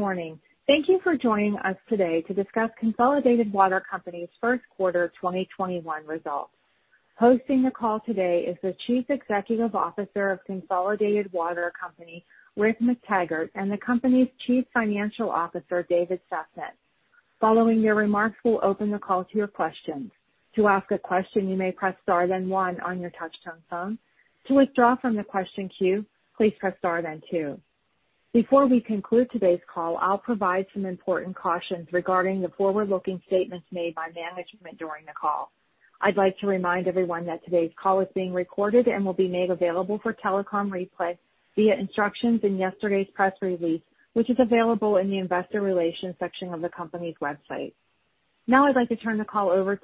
Good morning. Thank you for joining us today to discuss Consolidated Water Company's first quarter 2021 results. Hosting the call today is the Chief Executive Officer of Consolidated Water Company, Rick McTaggart, and the company's Chief Financial Officer, David Sasnett. Following their remarks, we'll open the call to your questions. Before we conclude today's call, I'll provide some important cautions regarding the forward-looking statements made by management during the call. I'd like to remind everyone that today's call is being recorded and will be made available for telecom replay via instructions in yesterday's press release, which is available in the investor relations section of the company's website. Now I'd like to turn the call over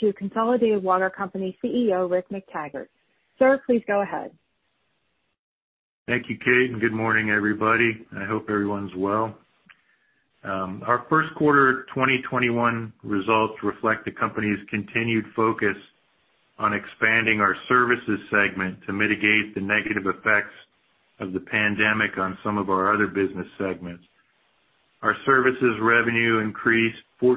to Consolidated Water Company CEO, Rick McTaggart. Sir, please go ahead. Thank you, Kate. Good morning, everybody. I hope everyone's well. Our first quarter 2021 results reflect the company's continued focus on expanding our services segment to mitigate the negative effects of the pandemic on some of our other business segments. Our services revenue increased 14%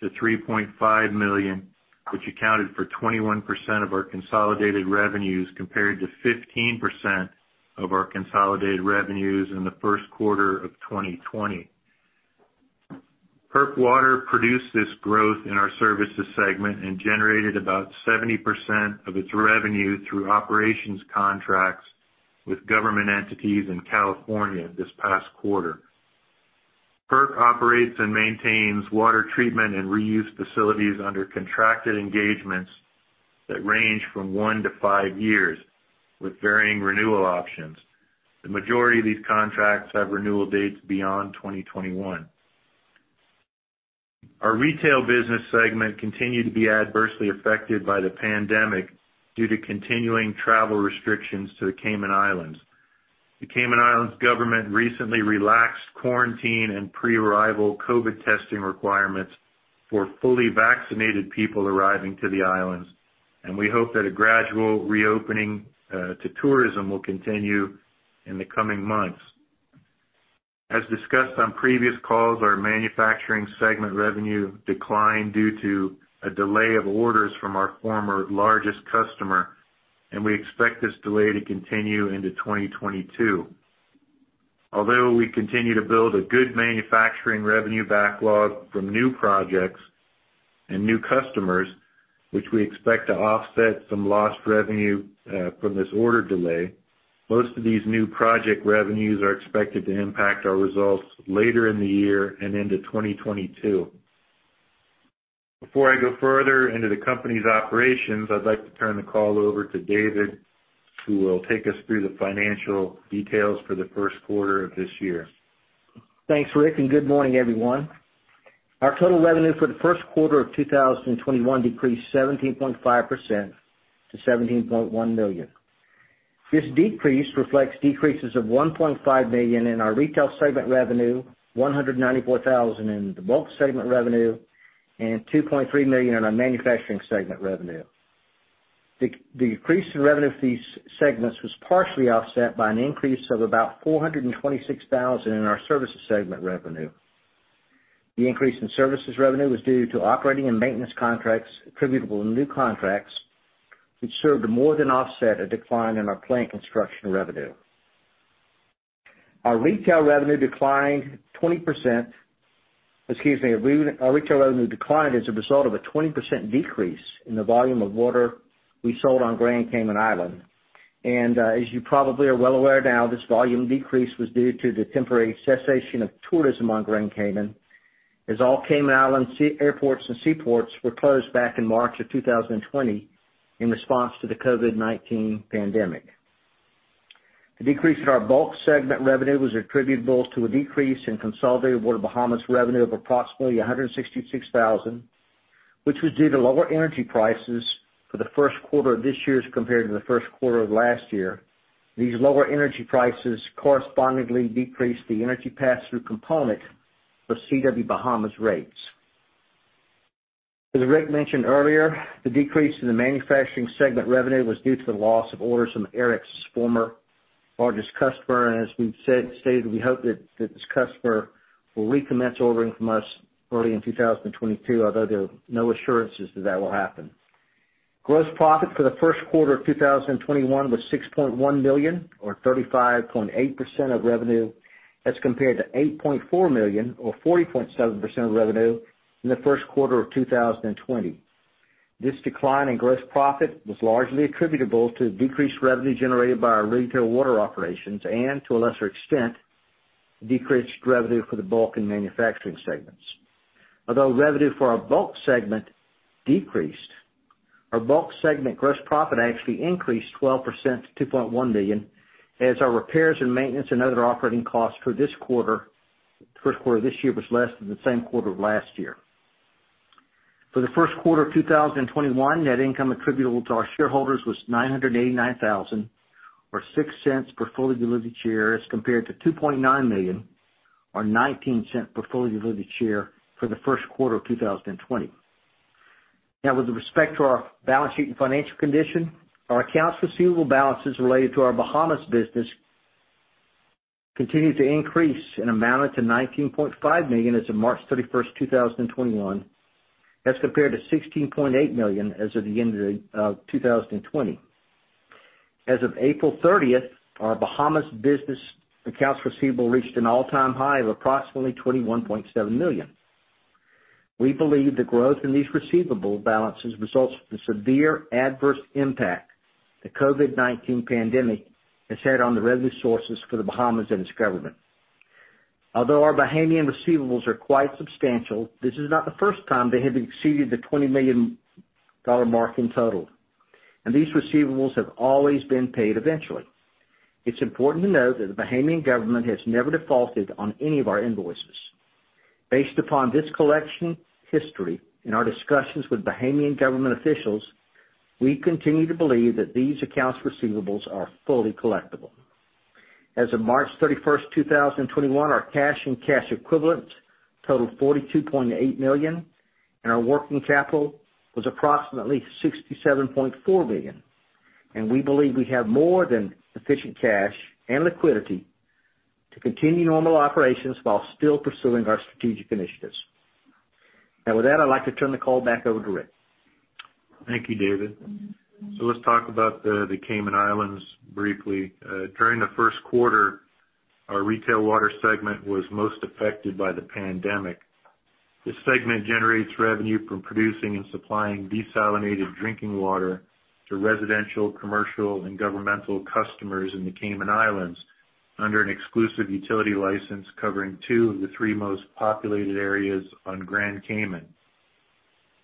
to $3.5 million, which accounted for 21% of our consolidated revenues, compared to 15% of our consolidated revenues in the first quarter of 2020. PERC Water produced this growth in our services segment and generated about 70% of its revenue through operations contracts with government entities in California this past quarter. PERC operates and maintains water treatment and reuse facilities under contracted engagements that range from one to five years with varying renewal options. The majority of these contracts have renewal dates beyond 2021. Our retail business segment continued to be adversely affected by the pandemic due to continuing travel restrictions to the Cayman Islands. The Cayman Islands government recently relaxed quarantine and pre-arrival COVID testing requirements for fully vaccinated people arriving to the islands. We hope that a gradual reopening to tourism will continue in the coming months. As discussed on previous calls, our manufacturing segment revenue declined due to a delay of orders from our former largest customer. We expect this delay to continue into 2022. Although we continue to build a good manufacturing revenue backlog from new projects and new customers, which we expect to offset some lost revenue from this order delay, most of these new project revenues are expected to impact our results later in the year and into 2022. Before I go further into the company's operations, I'd like to turn the call over to David, who will take us through the financial details for the first quarter of this year. Thanks, Rick, good morning, everyone. Our total revenue for the first quarter of 2021 decreased 17.5% to $17.1 million. This decrease reflects decreases of $1.5 million in our retail segment revenue, $194,000 in the bulk segment revenue, and $2.3 million in our manufacturing segment revenue. The decrease in revenue for these segments was partially offset by an increase of about $426,000 in our services segment revenue. The increase in services revenue was due to operating and maintenance contracts attributable to new contracts, which served to more than offset a decline in our plant construction revenue. Our retail revenue declined as a result of a 20% decrease in the volume of water we sold on Grand Cayman. As you probably are well aware now, this volume decrease was due to the temporary cessation of tourism on Grand Cayman, as all Cayman Islands airports and seaports were closed back in March of 2020 in response to the COVID-19 pandemic. The decrease in our bulk segment revenue was attributable to a decrease in Consolidated Water Bahamas revenue of approximately $166,000, which was due to lower energy prices for the first quarter of this year as compared to the first quarter of last year. These lower energy prices correspondingly decreased the energy pass-through component of CW-Bahamas rates. As Rick mentioned earlier, the decrease in the manufacturing segment revenue was due to the loss of orders from Aerex's former largest customer, and as we've said, we hope that this customer will recommence ordering from us early in 2022, although there are no assurances that that will happen. Gross profit for the first quarter of 2021 was $6.1 million or 35.8% of revenue as compared to $8.4 million or 40.7% of revenue in the first quarter of 2020. This decline in gross profit was largely attributable to the decreased revenue generated by our retail water operations and, to a lesser extent, decreased revenue for the bulk and manufacturing segments. Although revenue for our bulk segment decreased, our bulk segment gross profit actually increased 12% to $2.1 million as our repairs and maintenance and other operating costs for this quarter this year was less than the same quarter last year. For the first quarter of 2021, net income attributable to our shareholders was $989,000, or $0.06 per fully diluted share as compared to $2.9 million or $0.19 per fully diluted share for the first quarter of 2020. Now with respect to our balance sheet and financial condition, our accounts receivable balances related to our Bahamas business continue to increase and amounted to $19.5 million as of March 31st, 2021, as compared to $16.8 million as of the end of 2020. As of April 30th, our Bahamas business accounts receivable reached an all-time high of approximately $21.7 million. We believe the growth in these receivable balances results from the severe adverse impact the COVID-19 pandemic has had on the revenue sources for the Bahamas and its government. Although our Bahamian receivables are quite substantial, this is not the first time they have exceeded the $20 million mark in total, and these receivables have always been paid eventually. It's important to note that the Bahamian government has never defaulted on any of our invoices. Based upon this collection history and our discussions with Bahamian government officials, we continue to believe that these accounts receivables are fully collectible. As of March 31st, 2021, our cash and cash equivalents totaled $42.8 million, and our working capital was approximately $67.4 million. We believe we have more than sufficient cash and liquidity to continue normal operations while still pursuing our strategic initiatives. Now with that, I'd like to turn the call back over to Rick. Thank you, David. Let's talk about the Cayman Islands briefly. During the first quarter, our retail water segment was most affected by the pandemic. This segment generates revenue from producing and supplying desalinated drinking water to residential, commercial, and governmental customers in the Cayman Islands under an exclusive utility license covering two of the three most populated areas on Grand Cayman.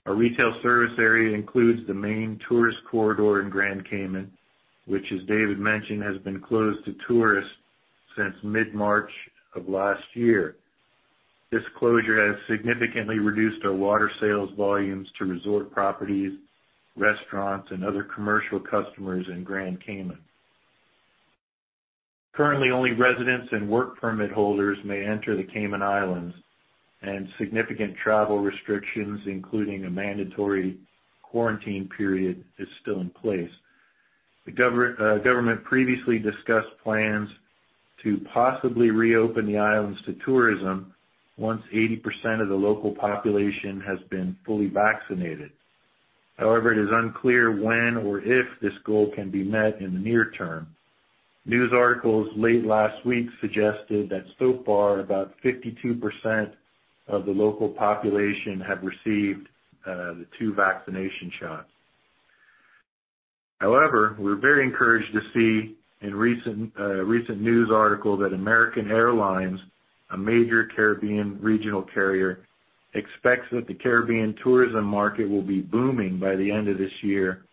Our retail service area includes the main tourist corridor in Grand Cayman, which, as David mentioned, has been closed to tourists since mid-March of last year. This closure has significantly reduced our water sales volumes to resort properties, restaurants, and other commercial customers in Grand Cayman. Currently, only residents and work permit holders may enter the Cayman Islands, and significant travel restrictions, including a mandatory quarantine period, is still in place. The government previously discussed plans to possibly reopen the islands to tourism once 80% of the local population has been fully vaccinated. However, it is unclear when or if this goal can be met in the near term. News articles late last week suggested that so far, about 52% of the local population have received the two vaccination shots. However, we're very encouraged to see in a recent news article that American Airlines, a major Caribbean regional carrier, expects that the Caribbean tourism market will be booming by the end of this year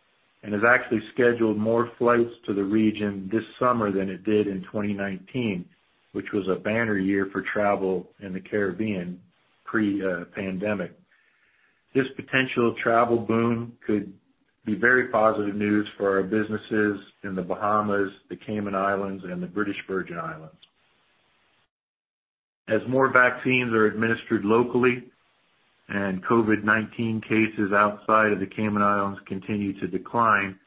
and has actually scheduled more flights to the region this summer than it did in 2019, which was a banner year for travel in the Caribbean pre-pandemic. This potential travel boom could be very positive news for our businesses in the Bahamas, the Cayman Islands, and the British Virgin Islands. As more vaccines are administered locally and COVID-19 cases outside of the Cayman Islands continue to decline,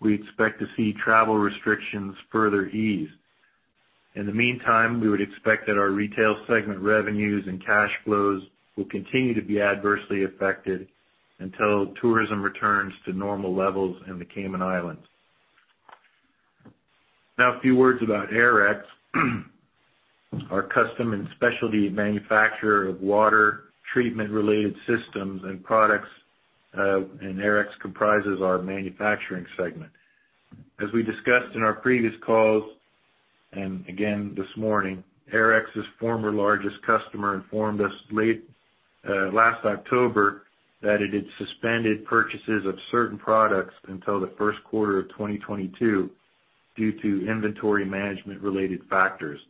we expect to see travel restrictions further ease. In the meantime, we would expect that our retail segment revenues and cash flows will continue to be adversely affected until tourism returns to normal levels in the Cayman Islands. A few words about Aerex, our custom and specialty manufacturer of water treatment-related systems and products, and Aerex comprises our manufacturing segment. As we discussed in our previous calls, and again this morning, Aerex's former largest customer informed us late last October that it had suspended purchases of certain products until the first quarter of 2022 due to inventory management-related factors.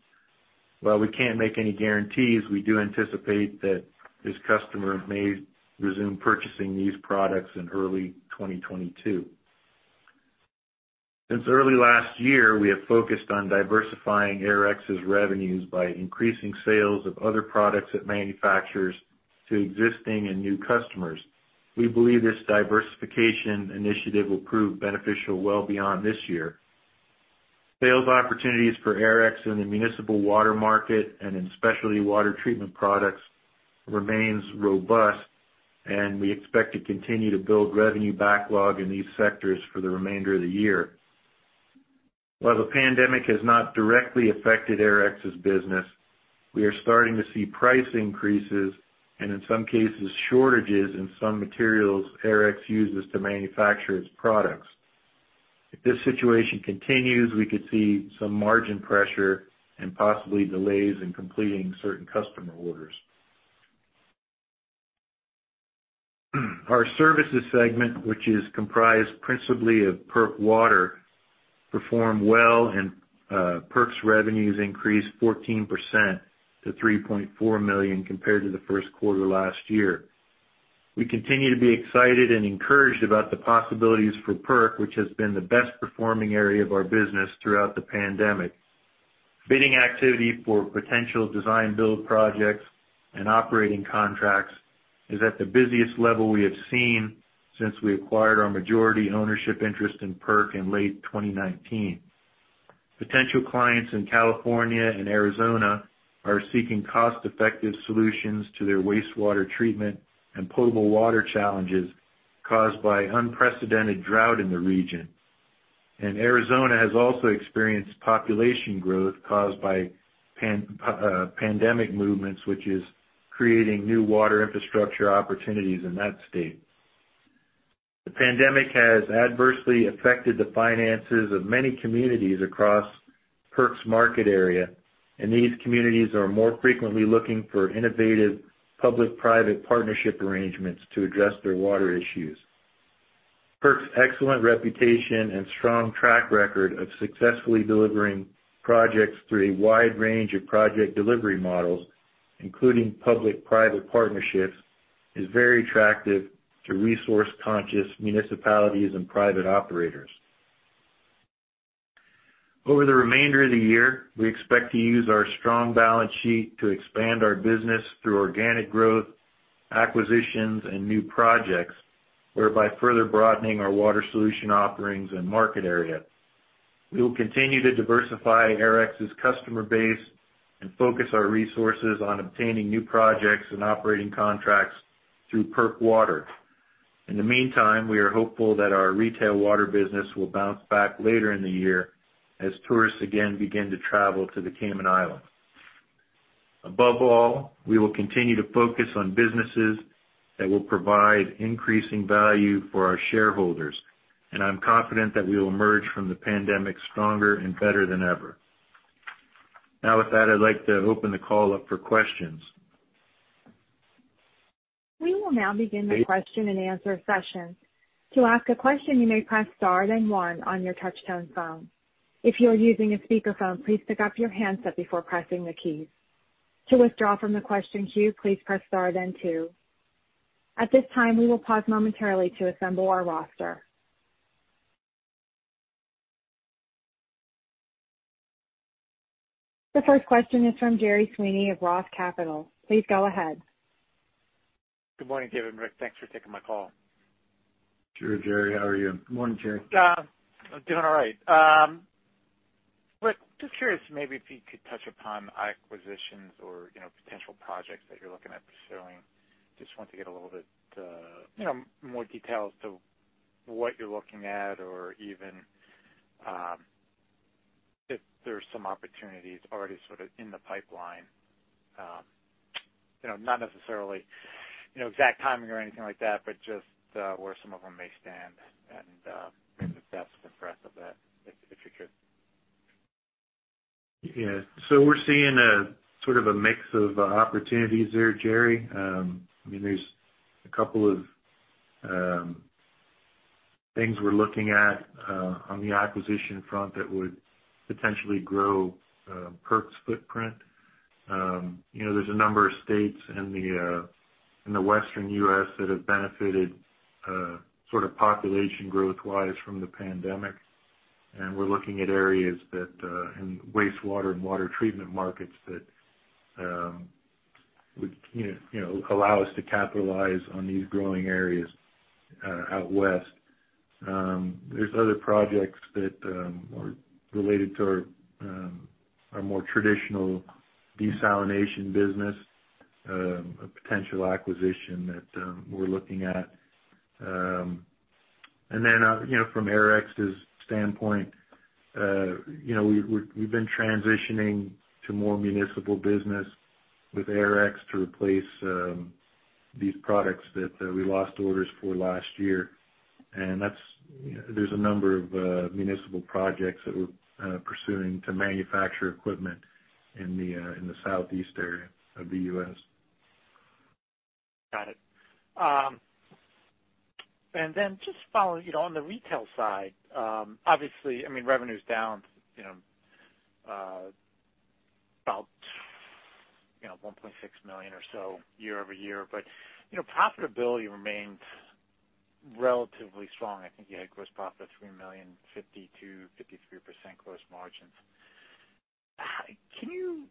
While we can't make any guarantees, we do anticipate that this customer may resume purchasing these products in early 2022. Since early last year, we have focused on diversifying Aerex's revenues by increasing sales of other products it manufactures to existing and new customers. We believe this diversification initiative will prove beneficial well beyond this year. Sales opportunities for Aerex in the municipal water market and in specialty water treatment products remains robust, and we expect to continue to build revenue backlog in these sectors for the remainder of the year. While the pandemic has not directly affected Aerex's business, we are starting to see price increases, and in some cases, shortages in some materials Aerex uses to manufacture its products. If this situation continues, we could see some margin pressure and possibly delays in completing certain customer orders. Our services segment, which is comprised principally of PERC Water, performed well, and PERC's revenues increased 14% to $3.4 million compared to the first quarter last year. We continue to be excited and encouraged about the possibilities for PERC, which has been the best-performing area of our business throughout the pandemic. Bidding activity for potential design build projects and operating contracts is at the busiest level we have seen since we acquired our majority ownership interest in PERC in late 2019. Potential clients in California and Arizona are seeking cost-effective solutions to their wastewater treatment and potable water challenges caused by unprecedented drought in the region. Arizona has also experienced population growth caused by pandemic movements, which is creating new water infrastructure opportunities in that state. The pandemic has adversely affected the finances of many communities across PERC's market area, and these communities are more frequently looking for innovative public-private partnership arrangements to address their water issues. PERC's excellent reputation and strong track record of successfully delivering projects through a wide range of project delivery models, including public-private partnerships, is very attractive to resource-conscious municipalities and private operators. Over the remainder of the year, we expect to use our strong balance sheet to expand our business through organic growth, acquisitions, and new projects, whereby further broadening our water solution offerings and market area. We will continue to diversify Aerex's customer base and focus our resources on obtaining new projects and operating contracts through PERC Water. In the meantime, we are hopeful that our retail water business will bounce back later in the year as tourists again begin to travel to the Cayman Islands. Above all, we will continue to focus on businesses that will provide increasing value for our shareholders, and I'm confident that we will emerge from the pandemic stronger and better than ever. Now with that, I'd like to open the call up for questions. We will now begin the question and answer session. To ask a question, you may press star then one on your touchtone phone. If you are using a speakerphone, please pick up your handset before pressing the keys. To withdraw from the question queue, please press star then two. At this time, we will pause momentarily to assemble our roster. The first question is from Gerry Sweeney of ROTH Capital Partners. Please go ahead. Good morning, gentlemen. Thanks for taking my call. Sure, Gerry. How are you? Good morning, Gerry. I'm doing all right. Just curious, maybe if you could touch upon acquisitions or potential projects that you're looking at pursuing. Just want to get a little bit more details to what you're looking at or even if there's some opportunities already sort of in the pipeline. Not necessarily exact timing or anything like that, but just where some of them may stand and maybe the best for the rest of the future. Yeah. We're seeing a sort of a mix of opportunities there, Gerry. There's a couple of things we're looking at on the acquisition front that would potentially grow PERC's footprint. There's a number of states in the Western U.S. that have benefited sort of population growth-wise from the pandemic, and we're looking at areas in wastewater and water treatment markets that would allow us to capitalize on these growing areas out West. There's other projects that are related to our more traditional desalination business, a potential acquisition that we're looking at. From Aerex's standpoint, we've been transitioning to more municipal business with Aerex to replace these products that we lost orders for last year. There's a number of municipal projects that we're pursuing to manufacture equipment in the Southeast area of the U.S. Got it. Just following on the retail side, obviously, revenue's down about $1.6 million or so year-over-year, but profitability remains relatively strong. I think you had gross profit of $3.52 million, 53% gross margins. Can you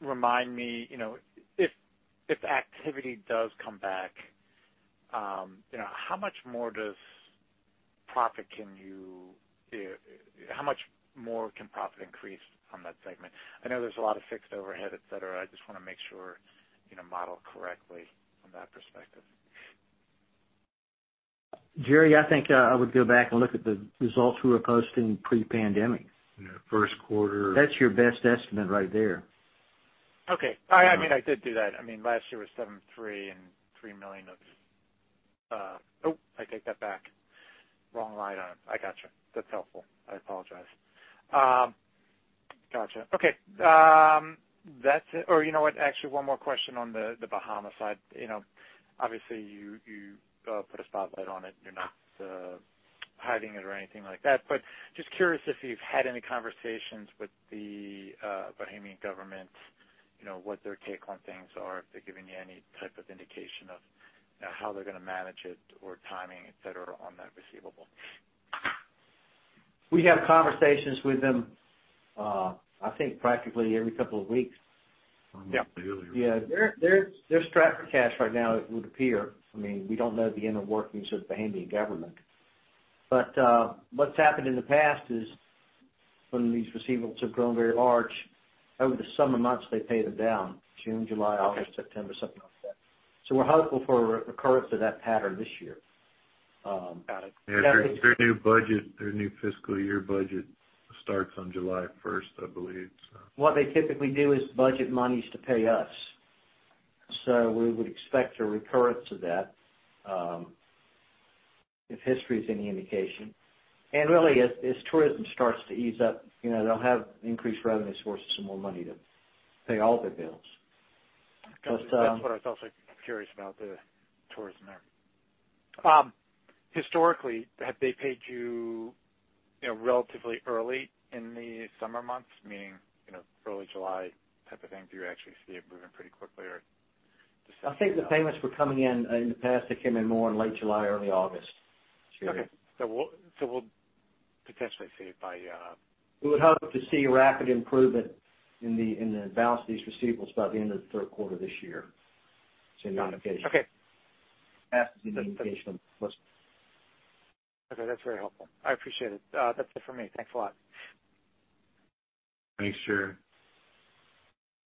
remind me, if activity does come back, how much more can profit increase on that segment? I know there's a lot of fixed overhead, et cetera. I just want to make sure I model correctly from that perspective. Gerry, I think I would go back and look at the results we were posting pre-pandemic. Yeah, that's your best estimate right there. Okay. I did do that. Last year was $7.3 million and $3 million. Oh, I take that back. Wrong line item. I got you. That's helpful. I apologize. Got you. Okay. You know what? Actually, one more question on the Bahamas side. Obviously, you put a spotlight on it. You're not hiding it or anything like that. Just curious if you've had any conversations with the Bahamian government, what their take on things are, if they're giving you any type of indication of how they're going to manage it or timing, et cetera, on that receivable. We have conversations with them, I think practically every couple of weeks. Yeah. Yeah. There's traffic cash right now, it would appear. We don't know the inner workings of the Bahamian government. What's happened in the past is when these receivables have grown very large over the summer months, they pay them down June, July, August, September, something like that. We're hopeful for a recurrence of that pattern this year. Got it. Yeah. Their new fiscal year budget starts on July 1st, I believe. What they typically do is budget monies to pay us. We would expect a recurrence of that, if history is any indication. Really, as tourism starts to ease up, they'll have increased revenue sources and more money to pay all their bills. That's what I was also curious about, the tourism there. Historically, have they paid you relatively early in the summer months, meaning early July type of thing? Do you actually see it moving pretty quickly or? I think the payments were coming in the past, they came in more in late July, early August. Okay. We'll potentially see it by. We would hope to see rapid improvement in the balance of these receivables by the end of the third quarter this year. Okay. Okay. That's very helpful. I appreciate it. That's it for me. Thanks a lot. Thanks, Gerry.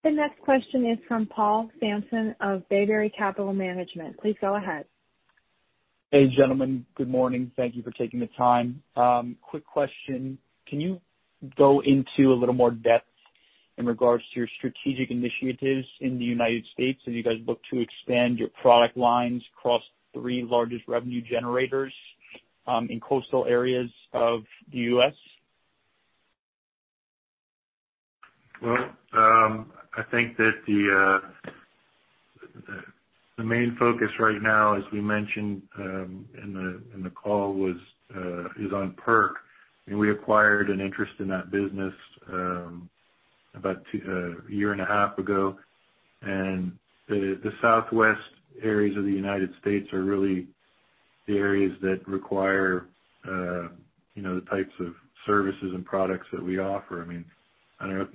The next question is from Paul Samson of Bayberry Capital Management. Please go ahead. Hey, gentlemen. Good morning. Thank you for taking the time. Quick question. Can you go into a little more depth in regards to your strategic initiatives in the United States as you guys look to expand your product lines across the three largest revenue generators in coastal areas of the U.S.? Well, I think that the main focus right now, as we mentioned in the call, is on PERC. We acquired an interest in that business about a year and a half ago. The Southwest areas of the U.S. are really the areas that require the types of services and products that we offer.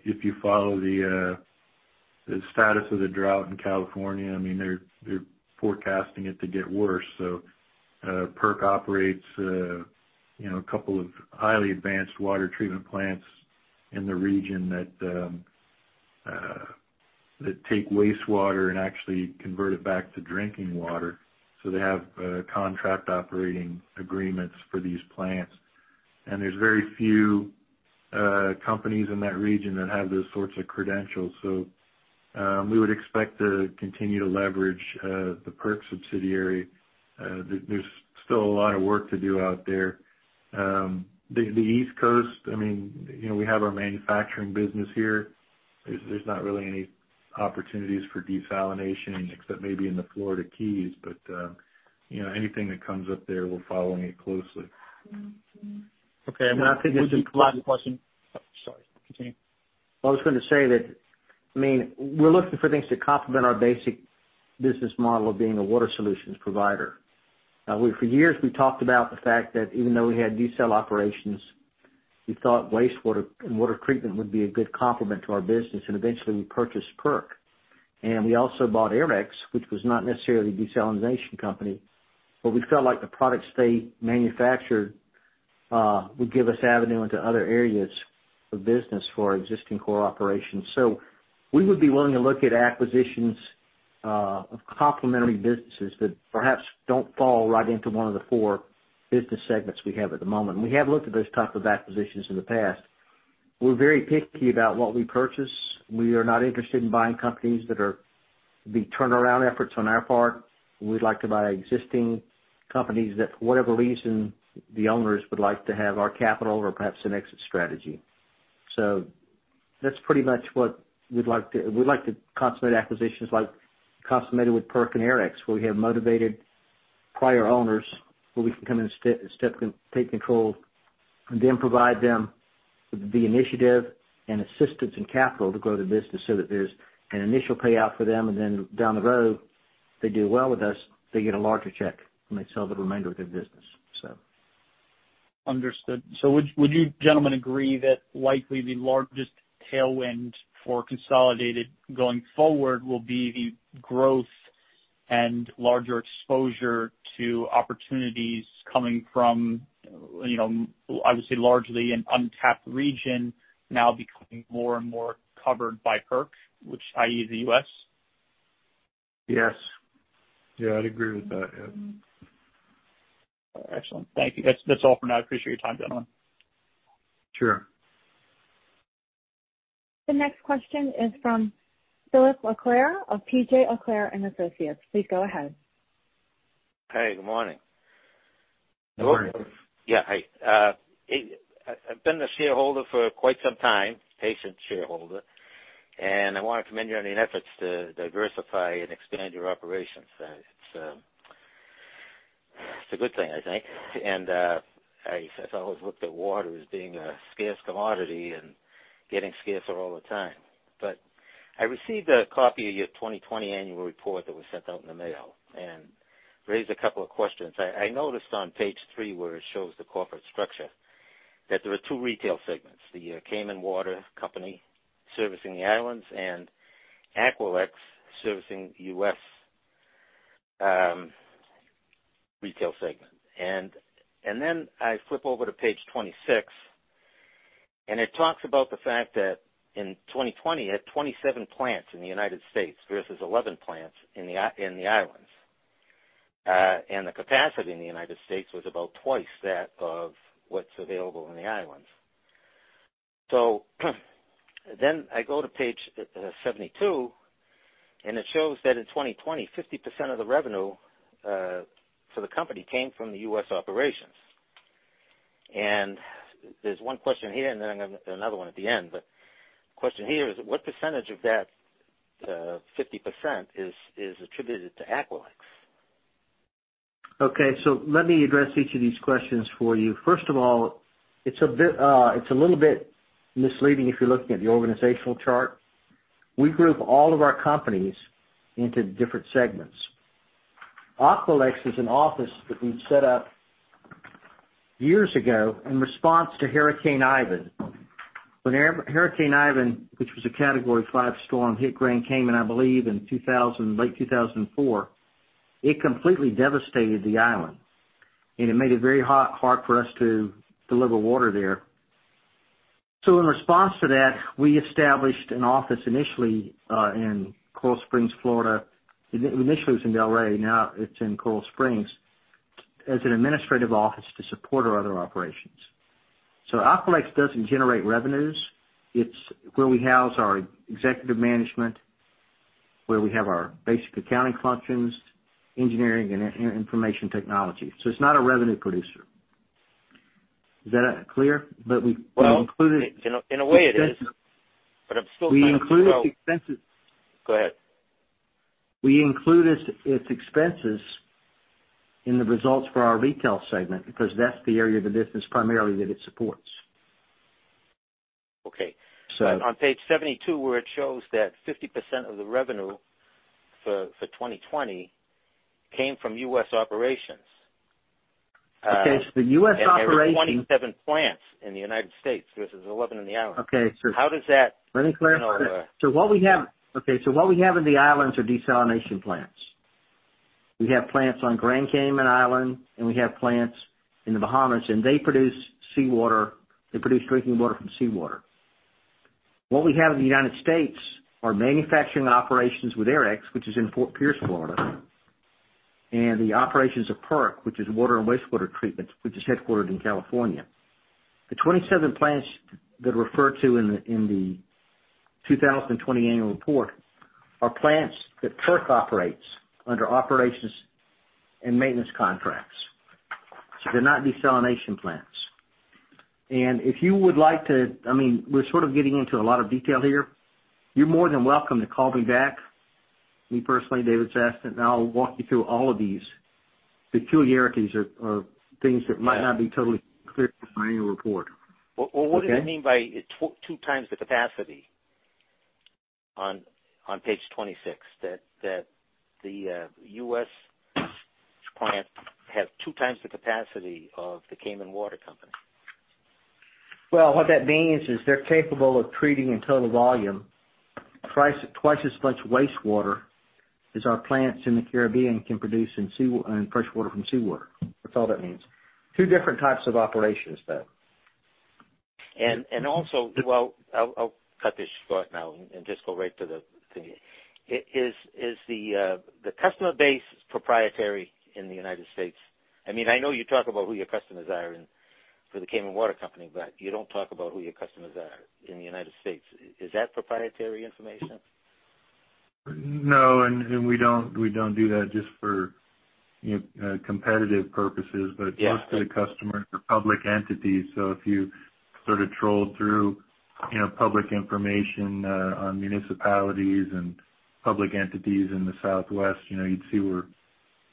If you follow the status of the drought in California, they're forecasting it to get worse. PERC operates a couple of highly advanced water treatment plants in the region that take wastewater and actually convert it back to drinking water. They have contract operating agreements for these plants, and there's very few companies in that region that have those sorts of credentials. We would expect to continue to leverage the PERC subsidiary. There's still a lot of work to do out there. The East Coast, we have our manufacturing business here. There's not really any opportunities for desalination except maybe in the Florida Keys. Anything that comes up there, we're following it closely. Okay. I think there's a lot of questions. Sorry, continue. I was going to say that, we're looking for things to complement our basic business model of being a water solutions provider. For years, we talked about the fact that even though we had desal operations, we thought wastewater and water treatment would be a good complement to our business. Eventually, we purchased PERC. We also bought Aerex, which was not necessarily a desalination company, but we felt like the products they manufactured would give us avenue into other areas of business for our existing core operations. We would be willing to look at acquisitions of complementary businesses that perhaps don't fall right into one of the four business segments we have at the moment. We have looked at those type of acquisitions in the past. We're very picky about what we purchase. We are not interested in buying companies that are turnaround efforts on our part. We'd like to buy existing companies that, for whatever reason, the owners would like to have our capital or perhaps an exit strategy. That's pretty much what we'd like. We like to consummate acquisitions like we consummated with PERC and Aerex, where we have motivated prior owners who we can come in and take control, and then provide them with the initiative and assistance and capital to grow the business so that there's an initial payoff for them, and then down the road, if they do well with us, they get a larger check when they sell the remainder of their business. Understood. Would you gentlemen agree that likely the largest tailwind for Consolidated going forward will be the growth and larger exposure to opportunities coming from, obviously largely an untapped region now becoming more and more covered by PERC, which, i.e. the U.S.? Yes. Yeah, I'd agree with that. Yeah. Excellent. Thank you. That's all for now. I appreciate your time, gentlemen. Sure. The next question is from Philippe Auclaire of P.J. Auclaire & Associates. Please go ahead. Hey, good morning. Morning. Yeah. I've been a shareholder for quite some time, patient shareholder. I want to commend your efforts to diversify and expand your operations. It's a good thing, I think. As I've always looked at water as being a scarce commodity, getting scarce all the time. I received a copy of your 2020 annual report that was sent out in the mail and raised a couple of questions. I noticed on page three, where it shows the corporate structure, that there are two retail segments, the Cayman Water servicing the islands and Aerex servicing the U.S. retail segment. I flip over to page 26, and it talks about the fact that in 2020, you had 27 plants in the U.S. versus 11 plants in the islands. The capacity in the U.S. was about twice that of what's available in the islands. I go to page 72, it shows that in 2020, 50% of the revenue for the company came from the U.S. operations. There's one question here and then another one at the end. The question here is, what percentage of that 50% is attributed to Aerex? Okay, let me address each of these questions for you. First of all, it's a little bit misleading if you're looking at the organizational chart. We group all of our companies into different segments. Aerex is an office that we set up years ago in response to Hurricane Ivan. When Hurricane Ivan, which was a category 5 storm, hit Grand Cayman, I believe in late 2004, it completely devastated the island, and it made it very hard for us to deliver water there. In response to that, we established an office initially in Coral Springs, Florida. Initially, it was in L.A. Now it's in Coral Springs as an administrative office to support our other operations. Aerex doesn't generate revenues. It's where we house our executive management, where we have our basic accounting functions, engineering, and information technology. It's not a revenue producer. Is that clear? Well, in a way it is, but I'm still confused. Go ahead. We include its expenses in the results for our retail segment because that's the area of the business primarily that it supports. Okay. On page 72, where it shows that 50% of the revenue for 2020 came from U.S. operations. Okay. The U.S. operations. There were 27 plants in the United States versus 11 in the islands. Okay. How does that- Let me correct. What we have in the islands are desalination plants. We have plants on Grand Cayman Island, and we have plants in the Bahamas, and they produce drinking water from seawater. What we have in the United States are manufacturing operations with Aerex, which is in Fort Pierce, Florida, and the operations of PERC, which is water and wastewater treatment, which is headquartered in California. The 27 plants that are referred to in the 2020 annual report are plants that PERC operates under operations and maintenance contracts. They're not desalination plants. If you would like to, we're sort of getting into a lot of detail here. You're more than welcome to call me back, me personally, David Sasnett, and I'll walk you through all of these peculiarities of things that might not be totally clear from the annual report. Okay. What do you mean by two times the capacity on page 26? That the U.S. plants have two times the capacity of the Cayman Water company. Well, what that means is they're capable of treating a total volume twice as much wastewater as our plants in the Caribbean can produce in fresh water from seawater. That's all that means. Two different types of operations, though. I'll cut this short now. Is the customer base proprietary in the United States? I know you talk about who your customers are for the Cayman Water company, but you don't talk about who your customers are in the United States. Is that proprietary information? No, we don't do that just for competitive purposes. Yeah. Most of the customers are public entities. If you sort of troll through public information on municipalities and public entities in the Southwest, you'd see where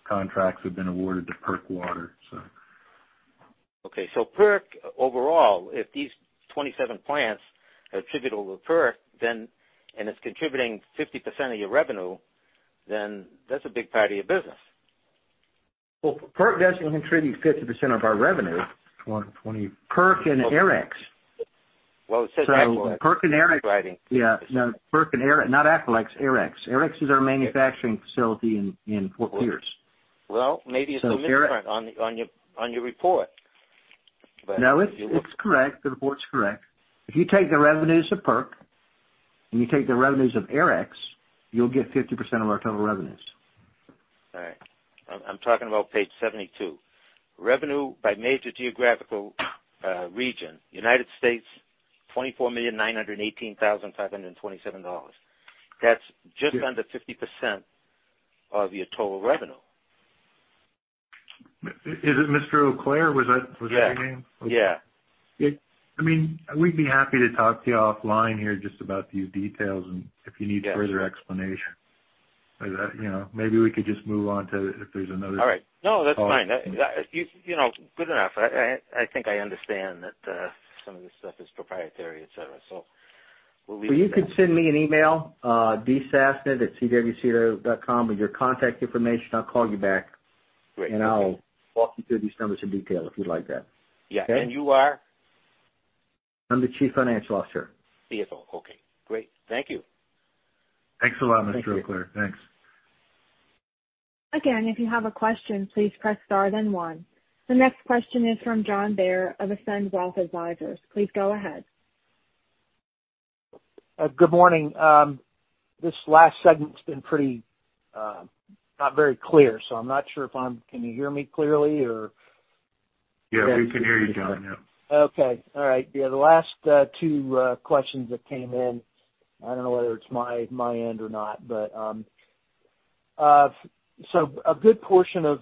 contracts have been awarded to PERC Water. PERC, overall, if these 27 plants are attributable to PERC, and it's contributing 50% of your revenue, that's a big part of your business. Well, PERC doesn't contribute 50% of our revenue. 2020. PERC and Aerex. Well, said that when I was writing. Yeah, no, not Aerex. Aerex. Aerex is our manufacturing facility in Fort Pierce. Well, maybe it's incorrect on your report. No, it's correct. The report's correct. If you take the revenues of PERC and you take the revenues of Aerex, you'll get 50% of our total revenues. All right. I'm talking about page 72. Revenue by major geographical region. United States, $24,918,527. That's just under 50% of your total revenue. Is it Mr. Auclaire? Was that your name? Yeah. I mean, we'd be happy to talk to you offline here just about these details and if you need further explanation. Maybe we could just move on to if there's another. All right. No, that's fine. Good enough. I think I understand that some of this stuff is proprietary and so forth, so we'll leave it at that. Well, you can send me an email, dsasnett@cwco.com, with your contact information. I'll call you back. Great. Okay. I'll walk you through these numbers in detail if you'd like that. Okay? Yeah. You are? I'm the Chief Financial Officer. CFO. Okay, great. Thank you. Thanks a lot, Mr. Auclaire. Thanks. Again, if you have a question, please press star then one. The next question is from John Bair of Ascend Wealth Advisors. Please go ahead. Good morning. This last segment's been not very clear, so I'm not sure. Can you hear me clearly or? Yeah, we can hear you, John. Yeah. Okay. All right. The last two questions that came in, I don't know whether it's my end or not. A good portion of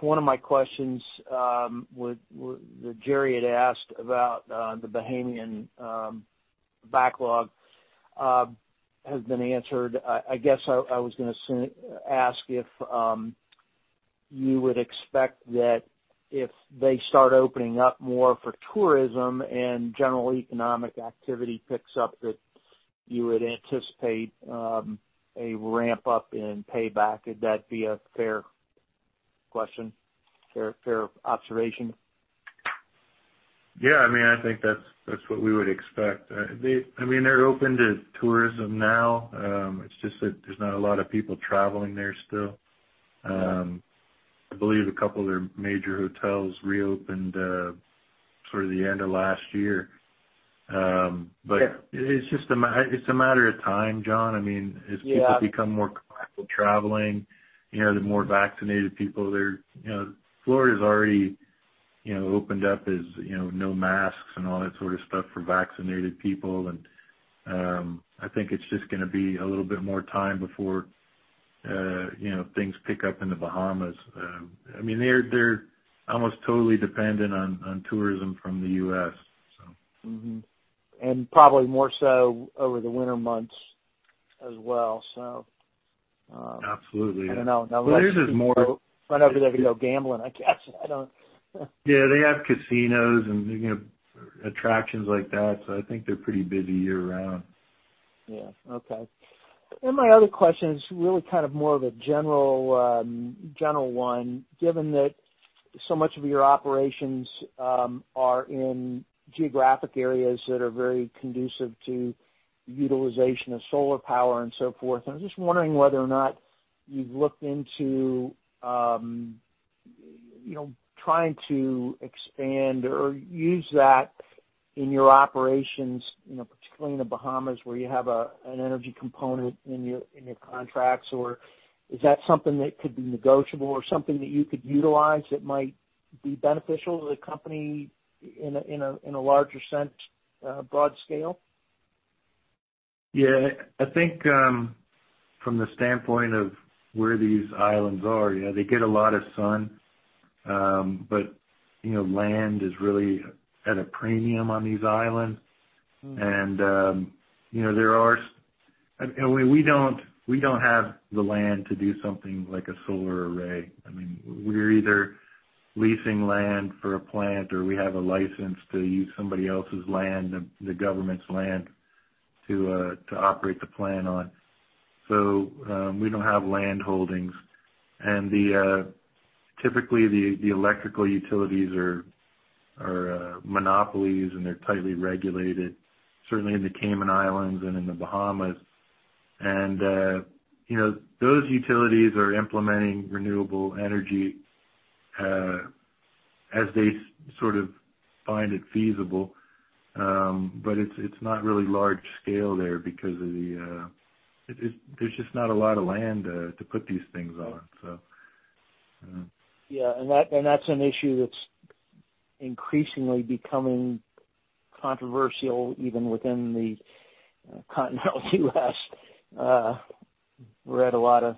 one of my questions that Gerry had asked about the Bahamian backlog has been answered. I guess I was going to ask if you would expect that if they start opening up more for tourism and general economic activity picks up, that you would anticipate a ramp-up in payback. Would that be a fair question, fair observation? Yeah, I think that's what we would expect. They're open to tourism now. It's just that there's not a lot of people traveling there still. Yeah. I believe a couple of their major hotels reopened sort of the end of last year. Yeah. It's just a matter of time, John. Yeah. As people become more comfortable traveling, the more vaccinated people there. Florida's already opened up as no masks and all that sort of stuff for vaccinated people. I think it's just going to be a little bit more time before things pick up in the Bahamas. They're almost totally dependent on tourism from the U.S. Mm-hmm. Probably more so over the winter months as well. Absolutely. I don't know. A lot of people go gambling, I guess. They have casinos, and they have attractions like that, so I think they're pretty busy year-round. Yeah. Okay. My other question is really kind of more of a general one. Given that so much of your operations are in geographic areas that are very conducive to utilization of solar power and so forth, I'm just wondering whether or not you've looked into trying to expand or use that in your operations, particularly in the Bahamas, where you have an energy component in your contracts. Is that something that could be negotiable or something that you could utilize that might be beneficial to the company in a larger sense, broad scale? Yeah. I think from the standpoint of where these islands are, they get a lot of sun. Land is really at a premium on these islands. We don't have the land to do something like a solar array. We're either leasing land for a plant, or we have a license to use somebody else's land, the government's land, to operate the plant on. We don't have land holdings. Typically, the electrical utilities are monopolies, and they're tightly regulated, certainly in the Cayman Islands and in the Bahamas. Those utilities are implementing renewable energy as they sort of find it feasible. It's not really large scale there because there's just not a lot of land to put these things on. Yeah, that's an issue that's increasingly becoming controversial even within the continental U.S., where a lot of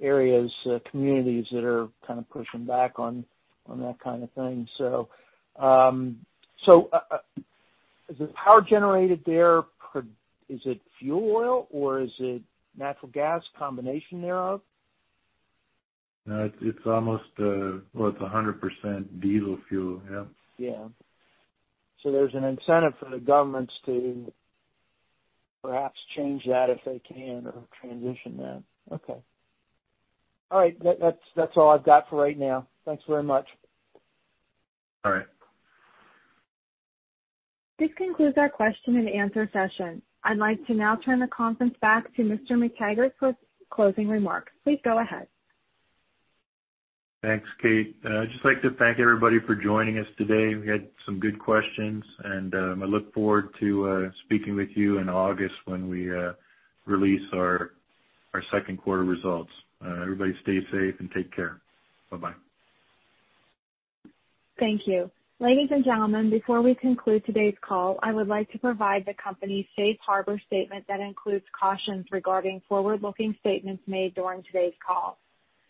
areas, communities that are kind of pushing back on that kind of thing. Is the power generated there, is it fuel oil, or is it natural gas, combination thereof? No, it's almost 100% diesel fuel. Yep. Yeah. There's an incentive for the governments to perhaps change that if they can or transition that. Okay. All right. That's all I've got for right now. Thanks very much. All right. This concludes our question and answer session. I'd like to now turn the conference back to Mr. McTaggart for closing remarks. Please go ahead. Thanks, Kate. I'd just like to thank everybody for joining us today. We had some good questions, and I look forward to speaking with you in August when we release our second-quarter results. Everybody stay safe and take care. Bye-bye. Thank you. Ladies and gentlemen, before we conclude today's call, I would like to provide the company's safe harbor statement that includes cautions regarding forward-looking statements made during today's call.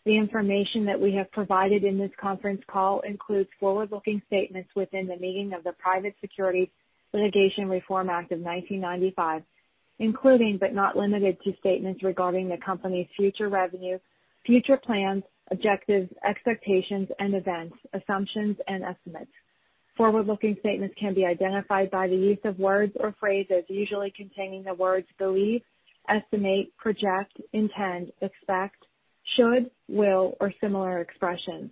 The information that we have provided in this conference call includes forward-looking statements within the meaning of the Private Securities Litigation Reform Act of 1995, including but not limited to statements regarding the company's future revenues, future plans, objectives, expectations and events, assumptions and estimates. Forward-looking statements can be identified by the use of words or phrases usually containing the words believe, estimate, project, intend, expect, should, will, or similar expressions.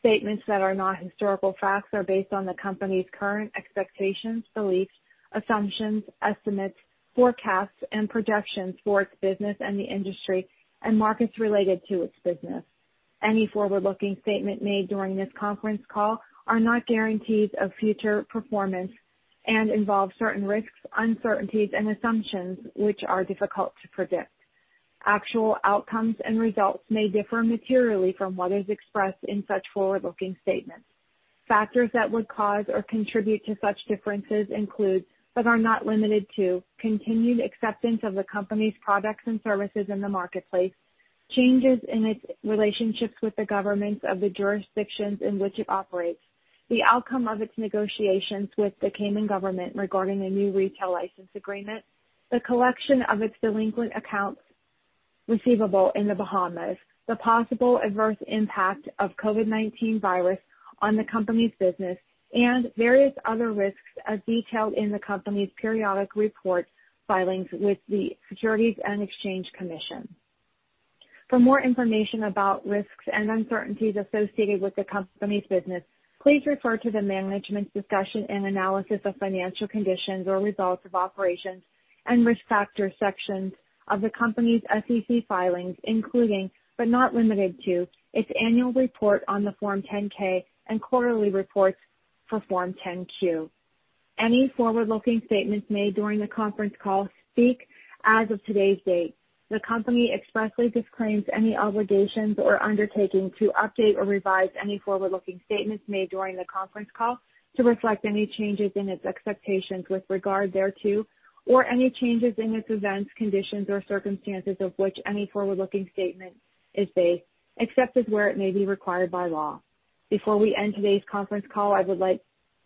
Statements that are not historical facts are based on the company's current expectations, beliefs, assumptions, estimates, forecasts and projections for its business and the industry and markets related to its business. Any forward-looking statement made during this conference call are not guarantees of future performance and involve certain risks, uncertainties, and assumptions which are difficult to predict. Actual outcomes and results may differ materially from what is expressed in such forward-looking statements. Factors that would cause or contribute to such differences include, but are not limited to, continued acceptance of the company's products and services in the marketplace, changes in its relationships with the governments of the jurisdictions in which it operates, the outcome of its negotiations with the Cayman government regarding a new retail license agreement, the collection of its delinquent accounts receivable in the Bahamas, the possible adverse impact of COVID-19 virus on the company's business, and various other risks as detailed in the company's periodic reports filings with the Securities and Exchange Commission. For more information about risks and uncertainties associated with the company's business, please refer to the management discussion and analysis of financial conditions or results of operations and risk factor sections of the company's SEC filings, including, but not limited to, its annual report on the Form 10-K and quarterly reports for Form 10-Q. Any forward-looking statements made during the conference call speak as of today's date. The company expressly disclaims any obligations or undertaking to update or revise any forward-looking statements made during the conference call to reflect any changes in its expectations with regard thereto, or any changes in its events, conditions, or circumstances of which any forward-looking statement is based, except as where it may be required by law. Before we end today's conference call, I would like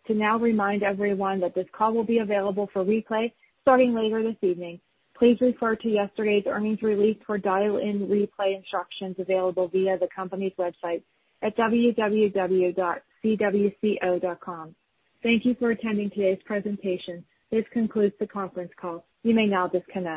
to now remind everyone that this call will be available for replay starting later this evening. Please refer to yesterday's earnings release for dial-in replay instructions available via the company's website at www.cwco.com. Thank you for attending today's presentation. This concludes the conference call. You may now disconnect.